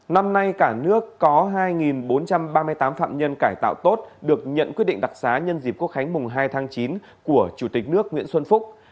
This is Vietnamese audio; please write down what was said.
năm nay cả nước có hai bốn trăm ba mươi tám phạm nhân cải tạo tốt được nhận quyết định đặc xá nhân dịp quốc khánh mùng hai tháng chín của chủ tịch nước nguyễn xuân phúc